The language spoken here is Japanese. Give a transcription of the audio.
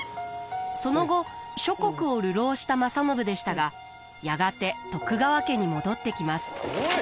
その後諸国を流浪した正信でしたがやがて徳川家に戻ってきます。